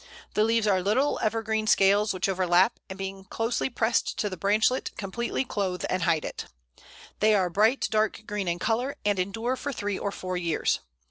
The leaves are little evergreen scales, which overlap, and being closely pressed to the branchlet, completely clothe and hide it. They are bright dark green in colour, and endure for three or four years.